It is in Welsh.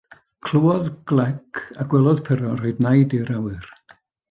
Clywodd glec, a gwelodd Pero yn rhoi naid i'r awyr.